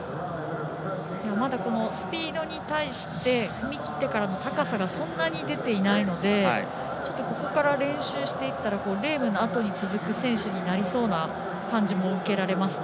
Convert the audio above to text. まだ、スピードに対して踏み切ってからの高さがそんなに出ていないのでちょっとここから練習していったらレームのあとに続く選手になりそうな感じも見受けられますね。